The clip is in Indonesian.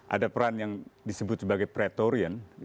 ada peran yang disebut sebagai pretorian